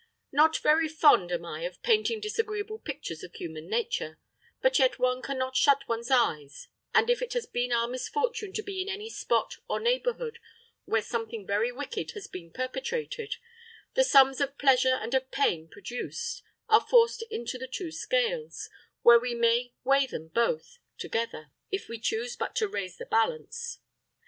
Not very fond am I of painting disagreeable pictures of human nature; but yet one can not shut one's eyes; and if it has been our misfortune to be in any spot or neighborhood where something very wicked has been perpetrated, the sums of pleasure and of pain produced are forced into the two scales, where we may weigh them both together, if we choose but to raise the balance.